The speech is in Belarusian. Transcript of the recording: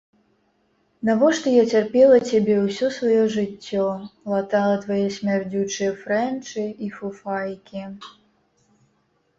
Навошта я цярпела цябе ўсё сваё жыццё, латала твае смярдзючыя фрэнчы і фуфайкі.